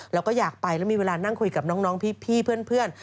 เราก็อยากไปแล้วมีเวลานั่งคุยกับน้องพี่เพื่อน